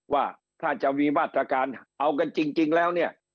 ว่าถ้าจะมีมาตรการเอากันจริงแล้วเนี่ย